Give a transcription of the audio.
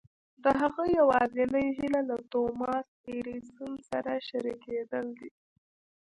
د هغه يوازېنۍ هيله له توماس اې ايډېسن سره شريکېدل دي.